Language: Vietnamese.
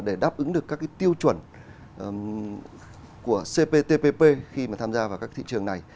để đáp ứng được các tiêu chuẩn của cptpp khi mà tham gia vào các thị trường này